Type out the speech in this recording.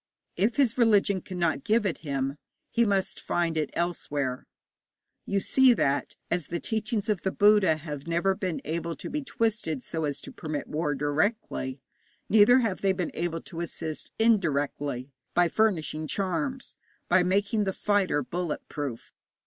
If his religion cannot give it him, he must find it elsewhere. You see that, as the teachings of the Buddha have never been able to be twisted so as to permit war directly, neither have they been able to assist indirectly by furnishing charms, by making the fighter bullet proof.